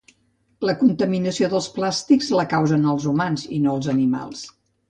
La contaminació dels plàstics la causen els humans i no els animals.